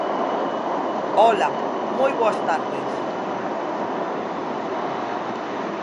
Ola, moi boas tardes.